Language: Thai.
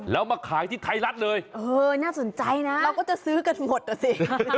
แล้วมาขายที่ไทยรัฐเลยเออน่าสนใจนะเราก็จะซื้อกันหมดอ่ะสิ